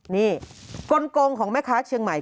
นี่กลงของแม่ค้าเชียงใหม่